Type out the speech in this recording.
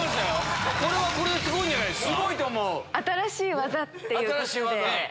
これはこれですごいんじゃないですか。